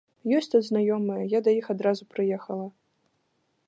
Ёсць тут знаёмыя, я да іх адразу прыехала.